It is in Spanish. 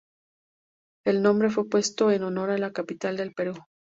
El nombre fue puesto en honor a la capital del Perú.